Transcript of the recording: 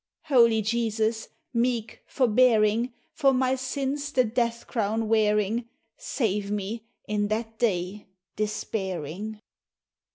Holy Jesus, meek, forbearing, For my sins the death crown wearing, Save me, in that day, despairing!